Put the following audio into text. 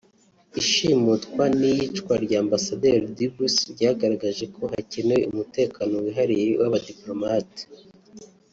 Ishimutwa n’iyicwa rya Ambasaderi Dubs ryagaragaje ko hakenewe umutekano wihariye w’abadipolomate